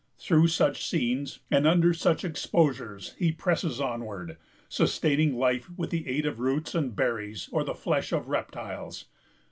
Through such scenes, and under such exposures, he presses onward, sustaining life with the aid of roots and berries or the flesh of reptiles.